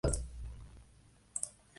Ibn al-Hach fue un gobernador guerrero.